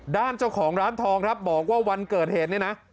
ด้านเจ้าของร้านทองครับบอกว่าวันเกิดเหตุเนี่ยนะ